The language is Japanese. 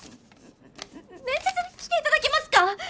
面接に来ていただけますか！？